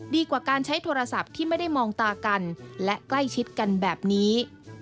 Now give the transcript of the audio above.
ดีกว่าการใช้โทรศัพท์ที่ไม่ได้มองตากันและใกล้ชิดกันแบบนี้